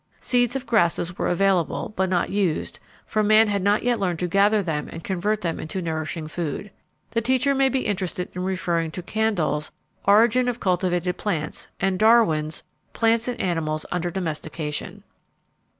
Seeds of grasses were available, but not used, for man had not yet learned to gather them and convert them into nourishing food. The teacher may be interested in referring to Candolle's Origin of Cultivated Plants and Darwin's Plants and Animals Under Domestication.